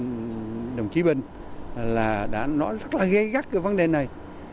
đó là đồng chí bình đã nói rất là gây gắt về vấn đề này